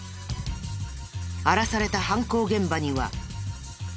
荒らされた犯行現場には。